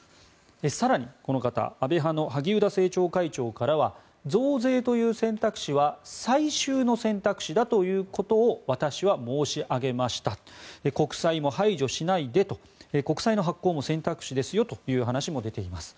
更に、この方安倍派の萩生田政調会長からは増税という選択肢は最終の選択肢だということを私は申し上げました国債も排除しないでと国債の発行も選択肢ですよという話も出ています。